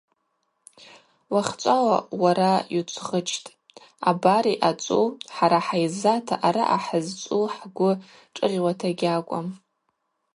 Уахьчӏвала уара йучвгъычтӏ, абар йъачӏву, хӏара хӏайззата араъа хӏызчӏву хӏгвы шӏыгъьуата гьакӏвым.